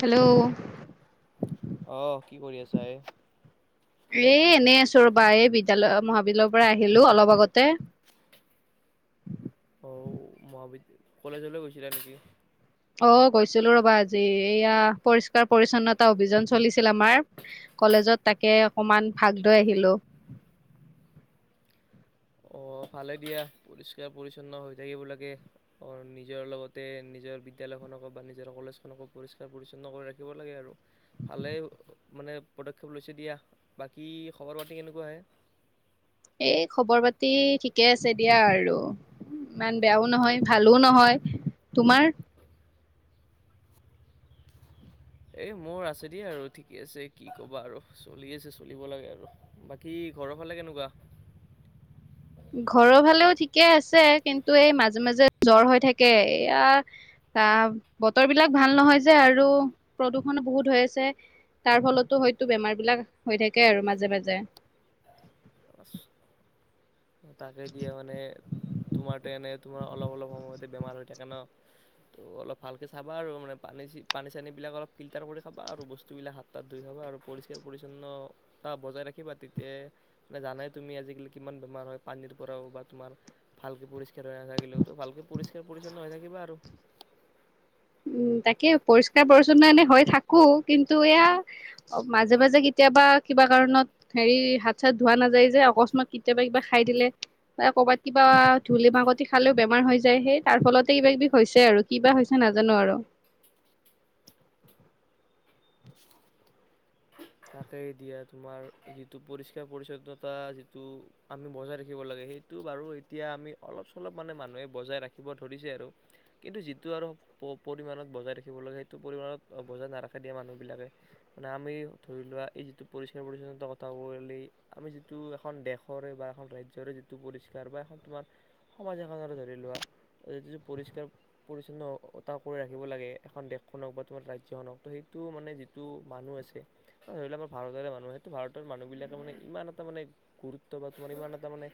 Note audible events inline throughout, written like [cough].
Hello আহ কি কৰি আছা এ এ এনেই আছো ৰবা এই বিদ্য়ালয় মহাবিদ্যালয়ৰ পৰা আহিলো অলপ আগতে [inaudible] অঁ মহাবিদ্য কলেজলৈ গৈছিলে নেকি [unintelligible] অ গৈছিলো ৰ'বা আজি এয়া পৰিষ্কাৰ পৰিচ্ছন্নতা অভিযান চলিছিল আমাৰ কলেজ ত তাকে অকমান ভাগ লৈ আহিলো অ ভালে দিয়া পৰিষ্কাৰ পৰি্ছন্ন হৈ থাকিব লাগে অ নিজৰ লগতে নিজৰ বিদ্যালয়। ক বা নিজৰ কলেজখনকো পৰিষ্কাৰ পৰিচছন্ন কৰি ৰাখিব লাগে আৰু ভালে মানে পদক্ষেপ লৈছে দিয়া বাকী খবৰ পাতি কেনেকুৱা আহে এই খবৰ পাতি ঠিকে আছে দিয়া আৰু ইমান বেয়াও নহয় ভালো নহয় তোমাৰ এ মোৰ আছে দেই আৰু ঠিকে আছে কি ক'বা আৰু চলি আছে চলিব লাগে আৰু বাকী ঘৰৰ ফালে কেনেকুৱা [inaudible] থিকে আছে কিন্তু এই মাজে মাজে জ্বৰ হৈ থাকে এইয়া আহ বতৰ বিলাক ভাল নহয় যে আৰু প্ৰদূষণো বহুত হৈ আছে তাৰ ফলতো হয়তো বেমাৰ বিলাক হৈ থাকে আৰু মাজে মাজে তাকে দিয়ে মানে তোমাৰতো এনে তোমাৰ অলপ অলপ সময়তে বেমাৰ হৈ থাকে ন ত অলপ ভালকে চাবা আৰু মানে পানী পানী চানী বুলি বিলাক অলপ ফিল্টাৰ কৰি খাবা আৰু বস্তুবিলাক হাত তাত ধুই খাবা আৰু পৰিষ্কাৰ পৰিচ্ছন্নত বজাই ৰাখিবা তেতিয়া [unintelligible] মানে জানাই তুমি আজিকালি কিমান বেমাৰ হয় পানীৰ পৰাও বা তোমাৰ ভালকে পৰিষ্কাৰ হৈ নাথাকিলেওো ভালকে পৰিষ্কাৰ পৰিছন্ন হৈ থাকিবা আৰু [unintelligible] [inaudible] উম তাকে পৰিষ্কাৰ পৰিচ্ছন্ন এনে হৈ থাকো কিন্তু এয়া মাজে মাজে কেতিয়া কেতিয়াবা কিবা কাৰণত হেৰি হাত চাত ধোৱা নাযায় যে অকস্মাত কেতিয়াবা কিবা খাই দিলে াত কিবা ধলি মাকতি খালেও বেমাৰ হৈ যায় সেই তাৰ ফলতে কিবা কিবি হৈছে আৰু কিবা হৈছে নাজ জানো আৰু তাকে দিয়া তোমাৰ যিটো পৰিষ্কাৰ পৰি্ছন্নতা যিটো আমি বজাই ৰাখিব লাগে সেই [unintelligible] সিটো বাৰু এতিয়া আমি অলপ চলপ মানে মানুহে বজাই ৰাখিব ধৰিছে আৰু কিন্তু যিটো আৰু য'ৰ ৰ'দ প পৰিমাণত বজাই ৰাখিব লাগে সেইটো পৰিমাণত বজাই নাৰাখা দিয়ে মানুহবিলাকে মানে আমি [unintelligible] ধৰি লোৱা এই যিটো পৰিষ্কাৰ পৰিচ্ছন্নতা কথা কলে আমি যিটো এখন দেশৰে বা এখন ৰাজ্য়ৰে যিটো টো পৰিষ্কাৰ বা এ তোমাৰ সমাজ এখৰে ধৰি লোৱা য পৰিষ্কাৰ পৰি্ছন্নতা কৰি ৰাখিব লাগে এখন দেশ খুনক বা তোমাৰ ৰাজ্যখনক ত সেইটো মানে যিটো মানুহ আছে ধৰি লও আমাৰ ভাৰতৰে মানুহ সেইটো ভাৰতৰ মানুহ বিিলাকে মানে ইমান এটা মানে গুৰুত্ব বা তোমাৰ ইমান এটা মানে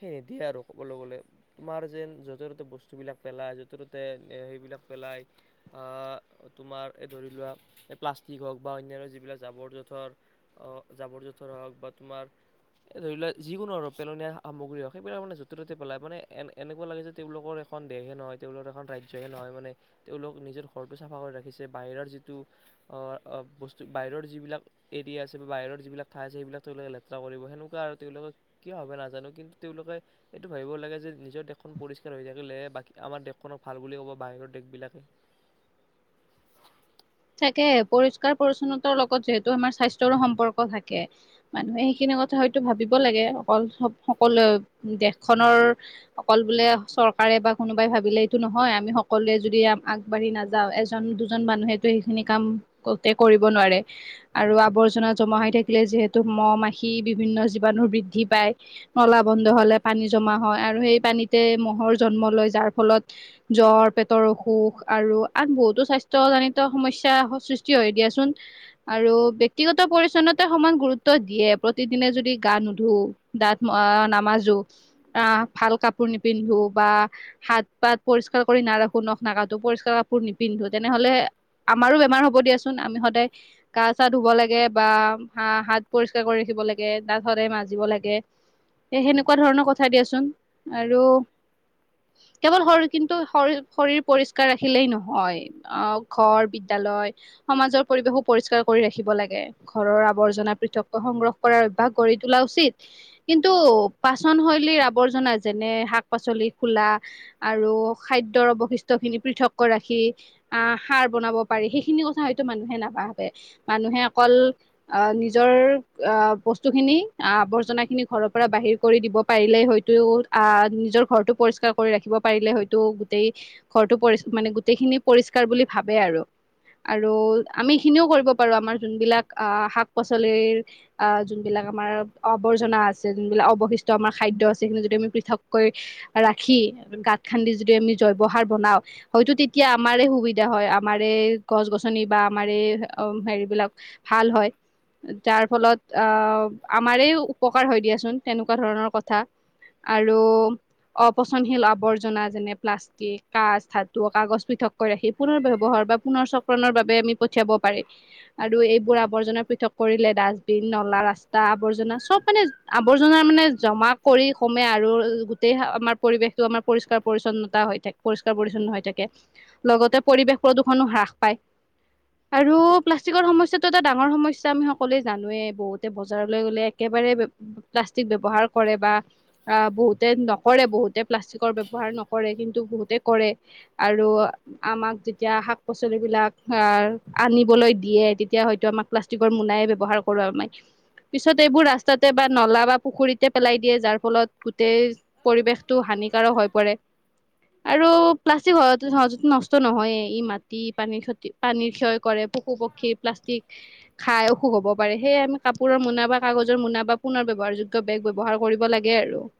সেই নিদিয়ে আৰু ক'বলৈ গ'লে, তোমাৰ যেন য'তে ত'তে বস্তুবলাক পেলাই য'তে ত'তে সেইবিলাক পেলায়। অহ এ তোমাৰ ধৰি লোৱা প্লাষ্টিক হক বা অন্যান্য যিবিলাক জাবৰ জোঁথৰ, জাবৰ জোঁথৰ হওক বা তোমাৰ এ ধৰি লোৱা যিকোনো আৰু পেলনীয়া সামগ্ৰী হওক, সেইবিলাক মানে য'তে ত'তে পেলাই, মানে এনেকুৱা লাগে যে তেওঁলোকৰ এখন দেশে নহয় তেওঁলোক এখন ৰাজ্যহে নহয়। মানে তেওঁলোক নিজৰ ঘৰটো চাফা কৰি ৰাখিছে, বাহিৰৰ যিটো অ বস্তু বাহিৰৰ যিবিলাক এৰিয়া আছে বা বাহিৰ যিবিলাক ঠাই আছে, সেইবিলাক তেওঁলোকে লেতেৰা কৰিব। সেনেকুৱা আৰু তেওঁলোকৰ কিয়া ভাবে নাজানো। কিন্তু তেওঁলোকে এইটো ভাবিব লাগে যে নিজৰ দেশখন পৰিষ্কাৰ হৈ থাকিলেহে বাকী আমাৰ দেশখনক ভাল বুলি ক'ব বা বাহিৰৰ দেশবিলাকে [inaudible] তাকে পৰিষ্কাৰ পৰিচ্ছন্নতাৰ লগত যিহেতু আমাৰ স্বাস্থ্যৰো সম্পৰ্ক থাকে। মানুহে সেইখিনি কথা ভাবিব লাগে। অকল সকলো দেশখনৰ অকল বোলে চৰকাৰে বা কোনোবাই ভাবিলে এইটো নহয়। আমি সকলোৱে যদি আ আগবাঢ়ি নাযাও, এজন দুজন মানুহে সেইখিনি কাম কৰোতে কৰিব নোৱাৰে আৰু আৱৰ্জনা জমা হৈ থাকিলে যিহেতু ম' মাখি বিভিন্ন জীৱাণুৰ বৃদ্ধি পায়, নলা বন্ধ হলে পানী জমা হয় আৰু সেই পানীতে মহ ৰ জন্ম লয়, যাৰ ফলত জ্বৰ পেটৰ অসুখ আৰু আন বহুতো স্বাস্থ্য জনি ত সমস্যা সৃষ্টি হয় দিয়াচোন আৰু ব্যক্তিগত পৰিচ্ছন্নতাত সমান গুৰুত্ব দিয়ে। প্ৰতিদিনে যদি গা নুধো, দাঁত নামাজো, আহ ভাল কাপোৰ নিপিন্ধো বা হাত পাত পৰিষ্কাৰ কৰি নাৰাখো, নখ নাকাতো, পৰিষ্কাৰ কাপোৰ নিপিন্ধো, তেনেহলে আমাৰো বেমাৰ হ'ব দিয়াচোন। আমি সদায় গা চা ধুব লাগে বা হা হাত পৰিষ্কাৰ কৰি ৰাখিব লাগে, দাঁত সদায় মাজিব লাগে। সেই সেনেকুৱা ধৰণৰ কথা দিয়াচোন। আৰু কেৱল শৰীৰ কিন্তু শৰীৰ শৰীৰ পৰিষ্কাৰ ৰাখিলেই নহয়। আহ ঘৰ, বিদ্যালয়, সমাজৰ পৰিৱেশো পৰিষ্কাৰ কৰি ৰাখিব লাগে, ঘৰৰ আৱৰ্জনা পৃথক কৈ সংগ্ৰহ কৰাৰ অভ্যাস গড়ি তোলা উচিত। কিন্তু পাচন শৈলীৰ আবৰ্জনা, যেনে শাক পাচলি খোলা আৰু খাদ্যৰ অৱশিষ্ট খিনি পৃথক কৈ ৰাখি, আহ সাৰ বনাব পাৰি। সেইখিনি কথা হয়তো মানুহে নাভাবে, মানুহে অকল আহ নিজৰ অ বস্তু খিনি আৱৰ্জনা খিনি ঘৰৰ পৰা বাহিৰ কৰি দিব পাৰিলেই হয়তো আহ নিজৰ ঘৰটো পৰিষ্কাৰ কৰি ৰাখিব পাৰিলে হয়তো গোটেই ঘৰটো পৰিচ মানে গোটেইখিনি পৰিষ্কাৰ বুলি ভাবে আৰু। আৰু আমি এখিনিও কৰিব পাৰো, আমাৰ যোনবিলাক আহ শাক-পাচলিৰ আহ যোনবিলাক আমাৰ আৱৰ্জনা আছে যোনবিলাক অৱশিষ্ট আমাৰ খাদ্য আছে, সেইখিনি যদি আমি পৃথকৈ ৰাখি গাত খান্দি যদি আমি জৈব সাৰ বনাও, হয়টো তেতিয়া আমাৰে সুবি ধা হয়। আমাৰে গছ-গছনি বা আমাৰে হেৰিবিলাক ভাল হয়। যাৰ ফলত আহ আমাৰে উপকাৰ হয় দিয়াচোন, তেনেকুৱা ধৰণৰ কথা। আৰু অপচনশীল আৱৰ্জনা, যেনে- প্লাষ্টিক, কাচ্, ধাতু, কাগজ পৃথকৈ ৰাখি পুনৰ ব্যৱহাৰ বা পুনৰ চক্ৰনৰ বাবে আমি পঠিয়াব পাৰি। আৰু এইবোৰ আৱৰ্জনা পৃথক কৰিলে ডাষ্টবিন, নলা, ৰাস্তা আৱৰ্জনা চব মানে আৱৰ্জনা মানে জমা কৰি কমে আৰু গোটেই আমাৰ পৰিৱেশটো আমাৰ পৰিষ্কাৰ পৰিচ্ছন্নতা হৈ থাকে পৰিষ্কাৰ পৰিছন্ন হৈ থাকে। লগতে পৰিৱেশ প্ৰদূষণো হ্ৰাস পায়। আৰু প্লাষ্টিকৰ সমস্যাতো এটা ডাঙৰ সমস্যা আমি সকলোৱে জানোৱে। বহুতে বজাৰলৈ গলে একে বাৰে প্লাষ্টিক ব্যৱহাৰ কৰে বা বহুতে নকৰে বহুতে প্লাষ্টিকৰ ব্যৱহাৰ নকৰে, কিন্তু বহুতে কৰে। আৰু আমাক যেতিয়া শাক-পাচলিবিলাক আনিবলৈ দিয়ে, তেতিয়া হয়তো আমাক প্লাষ্টিকৰ মোনাই ব্যৱহাৰ কৰি আউল মাৰে। পিছত এইবোৰ ৰাস্তাতে বা নলা বা পুখুৰীতে পেলাই দিয়ে, যাৰ ফলত গোটেই পৰিৱেশ টো হানিকাৰক হৈ পৰে, আৰু প্লাষ্টিক সহজ সহজতে নষ্ট নহয়ে, ই মাটি-পানীৰ ক্ষতি পানীৰ ক্ষয় কৰে, পশু-পক্ষী প্লাষ্টিক খাই অসুখ হ'ব পাৰে। সয়ে আমি কাপোৰৰ মোনা বা কাগজৰ মোনা বা পুনৰ ব্যৱহাৰযোগ্য বেগ ব্যৱহাৰ কৰিব লাগে আৰু। [inaudible]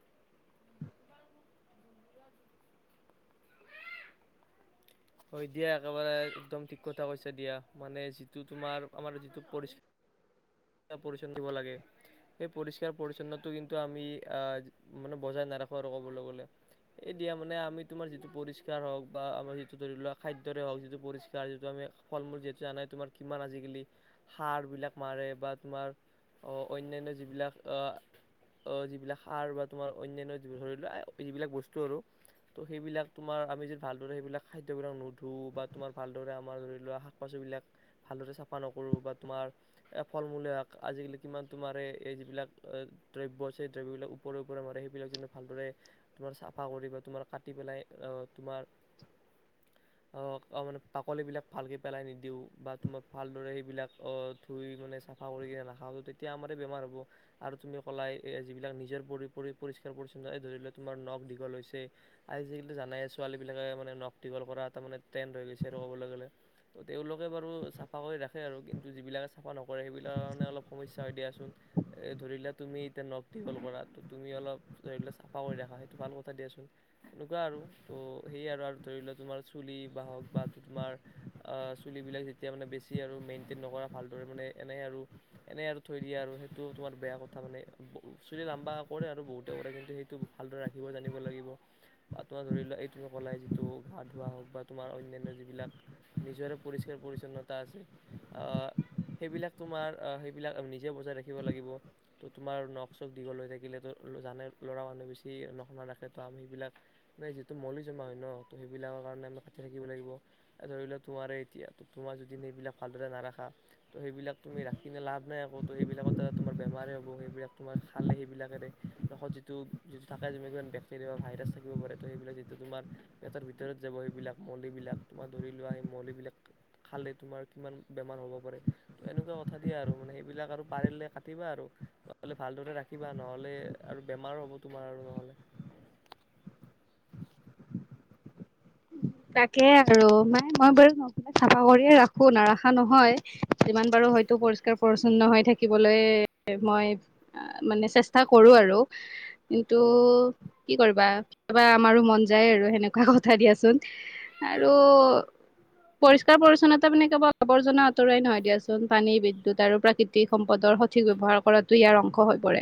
হয় দিয়া, একেবাৰে একদম ঠিক কথা কৈছা দিয়া। মানে যিটো তোমাৰ আমাৰ যিটো পৰিস্থিতি পৰিচন দিব লাগে। সেই পৰিষ্কাৰ পৰিছন্নটো কিন্তু আমি আহ মানে বজাই নাৰাখো আৰু ক'বলৈ গ'লে। এই দিয়া মানে আমি তোমাৰ যিটো পৰিষ্কাৰ হওক বা আমাৰ সি ধৰি লোৱা খাদ্যৰে হওক, যিটো পৰিষ্কাৰ যিটো আমি ফল মূল যিহেতু জানাই তোমাৰ কিমান আজিকালি সাৰ বিলাক মাৰে বা তোমাৰ অন্যান্য যিবিলাক আ আ যিবিলাক সাৰ বা তোমাৰ অন্যান্য ধৰি লোৱা, যিবিলাক বস্তু আৰু। ত' সেইবিলাক তোমাৰ আমি যি ভালদৰে সেইবিলাক খাদ্যবিলাক নুধোওঁ বা তোমাৰ ভালদৰে আমাৰ ধৰি লোৱা, শাক পাচলিবিলাক ভালদৰে চাফা নকৰোঁ বা তোমাৰ ফল -মূলে হক আজিকালি কিমান তোমাৰ এই যিবিলাক দ্ৰব্য আছে দ্ৰব্যবিলাক উপ ওপৰত মাৰে সেইবিলাক ভালদৰে চাফা কৰি বা তোমাৰ কাটি পেলাই তোমাৰ [inaudible] অ'! অ'! মানে, বাকলি বিলাক ভালকে পেলাই নিদিওঁ বা তোমাক ভালদৰে সেইবিলাক অ'! ধুই মানে চাফা কৰি কিনে নাখাওঁ। তেতিয়া আমাৰে বেমাৰ হ'ব আৰু তুমি ক'লাই যিবিলাক নিজৰ পৰি, পৰি পৰিষ্কাৰ পৰিচন্ন এ, ধৰি লোৱা তোমাৰ নখ দীঘল হৈছে। আজিকালি জানাই ছোৱালী বিলাকে মানে, নখ দীঘল কৰা এটা মানে, ট্ৰেনড হৈ গৈছে আৰু ক'বলৈ গ'লে। তেওঁলোকে বাৰু চাফা কৰি ৰাখে আৰু কিন্তু, যিবিলাক চাফা নকৰে। সেইবিলাক মানে অলপ সমস্যা হয় দিয়াচোন! ধৰি লোৱা তুমি এতিয়া নখ দীঘল কৰা তুমি অলপ ধৰি চাফা কৰি ৰাখা। সেইটো ভাল কথা দিয়াচোন! এনেকুৱা আৰু ত' সেয়ে আৰু ধৰি লোৱা তোমাৰ চুলি বাহওঁক বা তোমাৰ চুলিবিলাক যেতিয়া মানে, বেছি আৰু মেইন্টেইন নকৰা ভাল দৰে মানে, এনে আৰু এনে থৈ দিয়া আৰু। সেইটো তোমাৰ বেয়া কথা মানে, চুলি লাম্বা কৰে আৰু বহুতে কৰে। কিন্তু, সেইটো ভালদৰে ৰাখিব জানিব লাগিব বা তোমাৰ ধৰি লোৱা এইটো ক'লাই তো গা ধোৱা হওঁক বা তোমাৰ অন্যান্য যিবিলাক নিজৰে পৰিষ্কাৰ -পৰিচ্ছন্নতা আছে। সেইবিলাক তোমাৰ, সেইবিলাক নিজে বজাই ৰাখিব লাগিব। ত' তোমাৰ নখ চখ দীঘল হয় থা থাকিলেতো জানেই, ল'ৰা মানুহ বেছি নখ নাৰাখে। ত' আমি বিলাক মানে, যিটো মলি জমা হয় ন'। ত' সেইবিলাকৰ কাৰণে, আমি কাটি থাকিব লাগিব। ধৰি লোৱা তোমাৰে, এতিয়া তোমাৰ যদি এই বিলাক ভালদৰে নাৰাখা ত' সেইবিলাক তুমি ৰাখিলে লাভ নাই। আকৌ, ত' সেইবিলাকৰ দ্বাৰা তোমাৰ বেমাৰে হ'ব। সেইবিলাক, তোমাৰ খালে সেইবিলাক ত' যিটো, যিটো থাকে। বেক্টেৰিয়া বা ভাইৰাছ থাকিব পাৰে। ত' সেইবিলাক যিটো তোমাৰ পেটৰ ভিতৰত যাব সেইবিলাক মলিবিলাক। তোমাৰ ধৰি লোৱা সেই মলিবিলাক খালে তোমাৰ কিমান বেমাৰ হ'ব পাৰে। ত' এনেকুৱা কথা দিয়ে আৰু। সেইবিলাক আৰু পাৰিলে কাটিবা আৰু। নহ'লে ভালদৰে ৰাখিবা। নহ'লে আৰু বেমাৰো হ'ব তোমাৰ আৰু নহ'লে। [unintelligible] তাকে আৰু নাই, মই বাৰু নখ বিলাক চাফা কৰিয়ে ৰাখোঁ নাৰাখা নহয়। যিমান পাৰোঁ হয়তো, পৰিষ্কাৰ পৰিচ্ছন্ন হৈ থাকিবলৈ মই মানে, চেষ্টা কৰোঁ আৰু। কিন্তু, কি কৰিবা! কেতিয়াবা আমাৰো মন যায় আৰু সেনেকুৱা কথা দিয়াচোন। আৰু পৰিষ্কাৰ পৰিচ্ছন্নতা মানে, কেৱল আৱৰ্জনা আঁতৰাই নহয় দিয়াচোন। পানী, বিদ্যুৎ আৰু প্ৰাকৃতিক সম্পদত ৰ সঠিক ব্যৱহাৰ কৰাটো ইয়াৰ অংশ হৈ পৰে।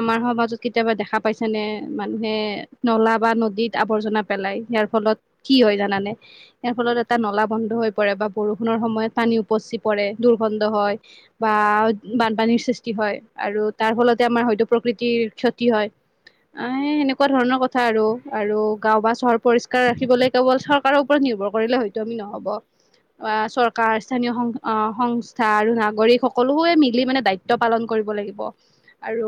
আমাৰ সমাজত কেতিয়াবা দেখা পাইছে নে! মানুহে নলা বা নদীত আৱৰ্জনা পেলাই। ইয়াৰ ফলত কি হয় জানানে? ইয়াৰ ফলত এটা নলা বন্ধ হৈ পৰে বা বৰষুণৰ সময়ত পানী উপচি পৰে। দুৰ্গন্ধ হয় বা বানপানীৰ সৃষ্টি হয় আৰু তাৰ ফলতে আমাৰ হয়তো প্ৰকৃতিৰ ক্ষতি হয়। এ, সেনেকুৱা ধৰণৰ কথা আৰু, আৰু গাঁও বা চহৰ পৰিষ্কাৰ কেৱল চৰকাৰৰ ওপৰত নিৰ্ভৰ কৰিলে হয়তো আমি নহ'ব। অ'! চৰকাৰ স্থানীয় অ' সংস্থা আৰু নাগৰিক সকলোৱে মিলি মানে দায়িত্ব পালন কৰি কৰিব লাগিব আৰু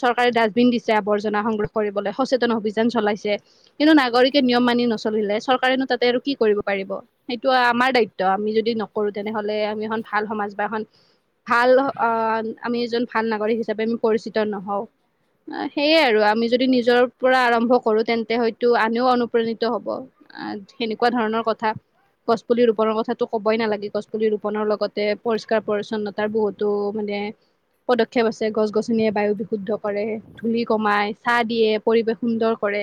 চৰকাৰে ডাষ্টবিন দিছে আৱৰ্জনা সংগ্ৰহ কৰিবলৈ, সচেতন অভিযান চলাইছে। [unintelligible] কিন্তু, নাগৰিকে নিয়ম মানি নচ নচলিলে চৰকাৰেনো তাতে আৰু কি কৰিব পাৰিব। সেইটো আমাৰ দায়িত্ব, আমি যদি নকৰোঁ তেনেহ'লে আমি ভাল সমাজ বা এখন ভাল অ'! আমি এজন ভাল নাগৰিক হিচাপে আমি পৰিচিত নহওঁ। অ'! সেইয়ে আৰু আমি যদি নিজৰ পৰা আৰম্ভ কৰোঁ, তেন্তে হয়তো আনেও অনুপ্ৰাণিত হ'ব। আঁ সেনেকুৱা ধৰণৰ কথা। গছপুলি ৰোপনৰ কথাটো ক'বই নালাগে। গছপুলি ৰোপনৰ লগতে পৰিষ্কাৰ, পৰিচ্ছন্নতাৰ বহুতো মানে [unintelligible] পদক্ষেপ আছে। গছ -গছনিয়ে বায়ু বিশুদ্ধ কৰে, ধূলি কমাই, চা দিয়ে, পৰিৱেশ সুন্দৰ কৰে।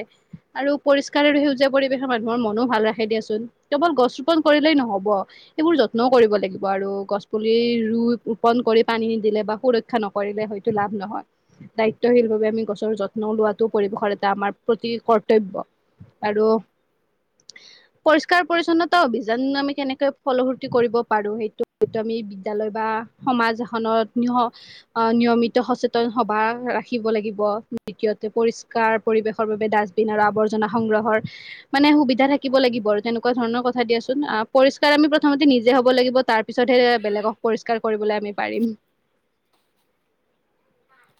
আৰু পৰিষ্কাৰ আৰু সেউজ পৰিৱেশৰ মানুহৰ মনো ভাল ৰাখে দিয়াচোন। কেৱল গছ ৰোপন কৰিলেই নহ'ব, এইবোৰ যত্নও কৰিব লাগিব। বাৰু গছ পুলি ৰুই ৰোপন কৰি পানী নিদিলে বা সুৰক্ষা নকৰিলে হয়তো লাভ নহয়। দায়িত্বশীলভাৱে আমি গছৰ যত্ন লোৱাটো পৰিৱেশৰ এটা আমাৰ প্ৰতি কৰ্তব্য। আৰু পৰিষ্কাৰ পৰিচ্ছন্নতা অভিযান আমি কেনেকে ফলসূৰ্তি কৰিব পাৰো সেইটো ত আমি বিদ্যালয় বা সমাজ এখনত নিয়মিত সচেতন সবা ৰাখিব লাগিব দ্বিতীয়তে পৰিষ্কাৰ পৰিৱেশৰ বাবে ডাষ্টবিন আৰু আৱৰ্জনা সংগ্ৰহ হৰ মানে সুবিধা থাকিব লাগিব আৰু তেনেক এনেকুৱা ধৰণৰ কথা দিয়াচোন আহ পৰিষ্কাৰ আমি প্ৰথমতে নিজে হ'ব লাগিব তাৰ পিছতহে বেলেগক পৰিষ্কাৰ কৰিবলৈ পাৰিম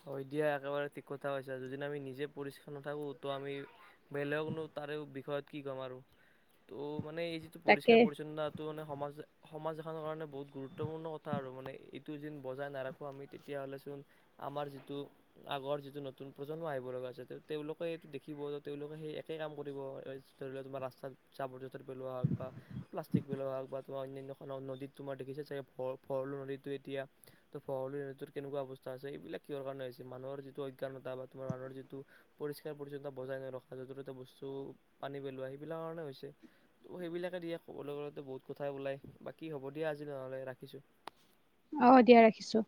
হয় দিয়া একেবাৰে ঠিক কথা হৈছে যদি আমি নিজে পৰিষ্কাৰ নাথাকো তো আমি বেলেগকনো তাৰে বিষয়ত কি ক'ম আৰু ত' মানে এই যিটো তাকে পৰিষ্কাৰ পৰিচ্ছন্নতা তো মানে সমাজ সমাজ এখনৰ কাৰণে বহুত গুৰুত্বপূৰ্ণ কথা আৰু মানে এইটো যে বজাই নাৰখো আমি তেতিয়া তেতিয়া হ'লে চোন আমাৰ যিটো আগৰ যিটো নতুন প্ৰজন্ম আহিব লগা আছে ত তেওঁলোকে এইটো দেখিব তেওঁলোকে সেই একে কাম কৰিব ধৰি লও তোমাৰ ৰাস্তাত জাবৰ জোঁথৰ পেলোৱা হওক বা প্লাষ্টিক পেলোৱা হওঁক বা তোমাৰ অন্যান্য খনন নদীত তোমাৰ দেখিছা চাগে ভৰলু নদীতো এতিয়া ত' ভৰলু নদীত কেনেকুৱা অৱস্থা হৈছে। এইবিলাক কিহৰ কাৰণে হৈছে মানুহৰ যিটো অজ্ঞানতা বা তোমাৰ আৰৰ যিটো পৰিষ্কাৰ পৰিচ্ছন্নতা বজাই নৰখা যতে ততে বস্তু পানী পেলোৱা সেইবিলাক কাৰণে হৈছে ত সেইবিলাকে দিয়ে ক'বলৈ গ'লে বহুত কথা ওলাই বাকী হ'ব দিয়া আজি নহলে ৰাখিছো। অ‌ দিয়া ৰাখিছো।